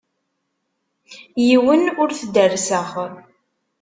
Yiwen ur t-derrseɣ.